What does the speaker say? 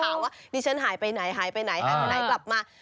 ว่าดิฉันหายไปไหนหายไปไหนหายไปไหนกลับมา